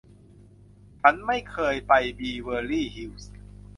ฉันไม่เคยไปบีเวอร์ลี่ฮิลส์